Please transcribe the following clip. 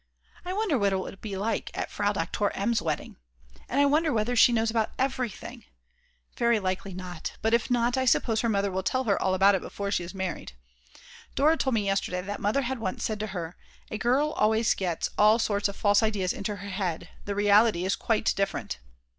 I wonder what it will be like at Frau Doktor M.'s wedding! and I wonder whether she knows about everything; very likely not, but if not I suppose her mother will tell her all about it before she is married. Dora told me yesterday that Mother had once said to her: "A girl always gets all sorts of false ideas into her head; the reality is quite different."